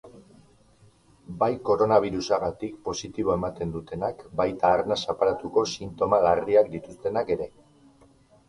Bai koronabirusagatik positibo ematen dutenak baita arnas aparatuko sintoma larriak dituztenak ere.